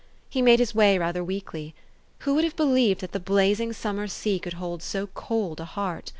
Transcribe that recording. He made his way rather weakly. Who would have believed that the blazing summer sea could hold so cold a heart